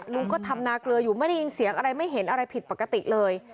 ลุงก็ทำนาเกลืออยู่ไม่ได้ยินเสียงอะไรไม่เห็นอะไรผิดปกติเลย